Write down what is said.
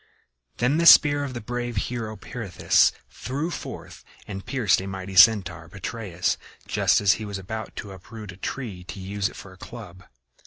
Then the spear of the brave hero Pirithous flew forth and pierced a mighty Centaur, Petraeus, just as he was about to uproot a tree to use it for a club.